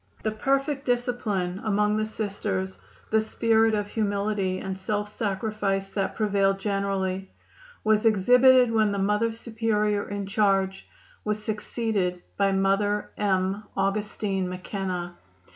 The perfect discipline among the Sisters, the spirit of humility and self sacrifice that prevailed generally, was exhibited when the Mother Superior in charge was succeeded by Mother M. Augustine McKenna.